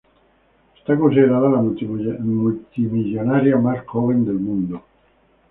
Es considerada la multimillonaria más joven del mundo.